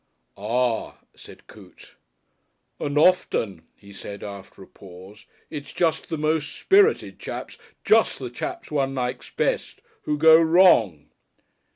"Ah!" said Coote. "And often," he said, after a pause, "it's just the most spirited chaps, just the chaps one likes best, who Go Wrong."